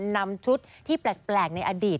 นำชุดที่แปลกในอดีต